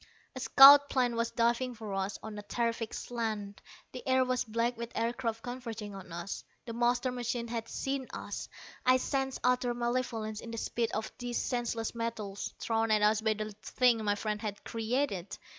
A scout plane was diving for us, on a terrific slant. The air was black with aircraft converging on us. The master machine had seen us! I sensed utter malevolence in the speed of these senseless metals, thrown at us by the thing my friend had created.